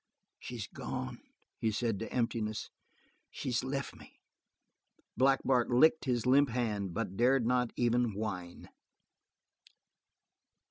"She's gone," he said to emptiness. "She's lef' me " Black Bart licked his limp hand but dared not even whine.